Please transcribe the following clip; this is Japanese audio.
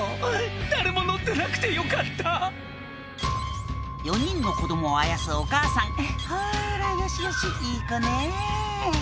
誰も乗ってなくてよかった４人の子供をあやすお母さん「ほらよしよしいい子ね」